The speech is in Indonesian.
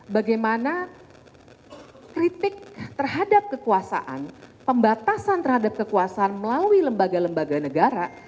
bagaimana kritik terhadap kekuasaan pembatasan terhadap kekuasaan melalui lembaga lembaga negara